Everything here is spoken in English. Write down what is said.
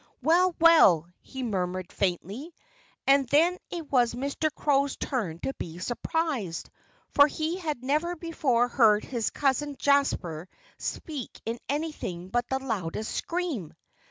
"Well, well!" he murmured faintly. And then it was Mr. Crow's turn to be surprised, for he had never before heard his cousin Jasper speak in anything but the loudest scream.